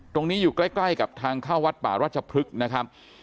อยู่ใกล้กับทางเข้าวัดป่ารัชพฤกษ์นะครับ